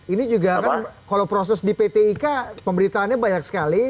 ini juga kan kalau proses di pt ika pemberitaannya banyak sekali